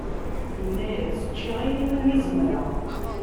Yenna-yas ččiɣ ayen iwumi zemreɣ.